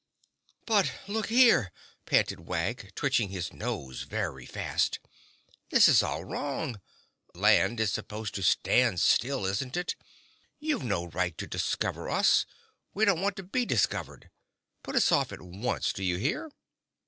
"But, look here," panted Wag, twitching his nose very fast, "this is all wrong. Land is supposed to stand still, isn't it? You've no right to discover us. We don't want to be discovered. Put us off at once—do you hear?"